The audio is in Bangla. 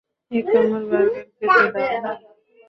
এক কামড় বার্গার খেতে দাও না?